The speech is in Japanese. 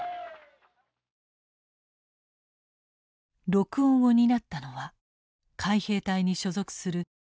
録音を担ったのは海兵隊に所属するラジオ通信兵。